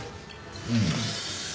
うん。